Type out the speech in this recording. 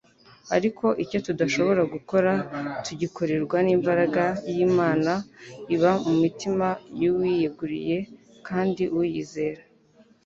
ariko icyo tudashobora gukora tugikorerwa n'imbaraga y'Imana iba mu mutima w'uyiyeguriye kandi uyizera.